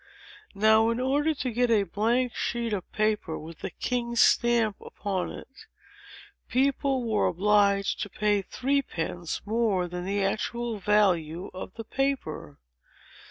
Now, in order to get a blank sheet of paper, with the king's stamp upon it, people were obliged to pay three pence more than the actual value of the paper.